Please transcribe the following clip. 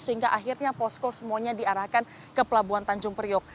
sehingga akhirnya posko semuanya diarahkan ke pelabuhan tanjung priok